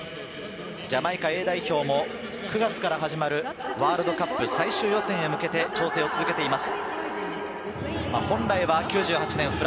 ジャマイカＡ代表も９月から始まるワールドカップ最終予選へ向けて調整を続けています。